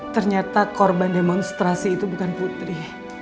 ternyata korban demonstrasi itu bukan putri